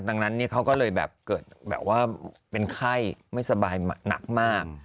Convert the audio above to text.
ดังนั้นเขาก็เลยแบบเกิดแบบว่าเป็นไข้ไม่สบายหนักมาก